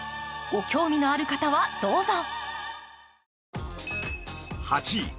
ご興味のある方はどうぞ。